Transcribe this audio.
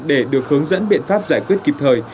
để được hướng dẫn biện pháp giải quyết kịp thời